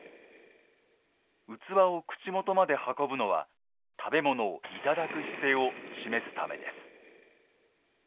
器を口元まで運ぶのは食べ物を頂く姿勢を示すためです。